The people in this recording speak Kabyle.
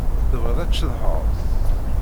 Tebɣiḍ ad tceḍḥeḍ?